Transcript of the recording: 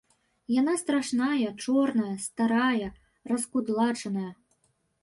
Яна страшная, чорная, старая, раскудлачаная.